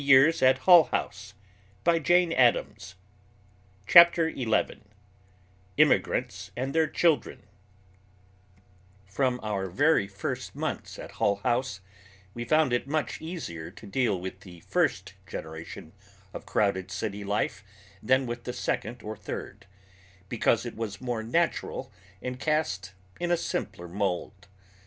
230 258. [Editor: Mary MarkOckerbloom] CHAPTER XI IMMIGRANTS AND THEIR CHILDREN From our very first months at Hull House we found it much easier to deal with the first generation of crowded city life than with the second or third, because it is more natural and cast in a simpler mold.